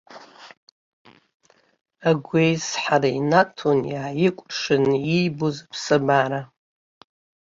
Агәеизҳара инаҭон, иааикәыршаны иибоз аԥсабара.